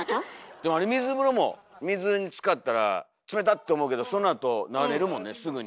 でもあれ水風呂も水につかったら「冷た！」って思うけどそのあと慣れるもんねすぐに。